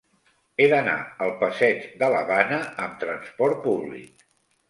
He d'anar al passeig de l'Havana amb trasport públic.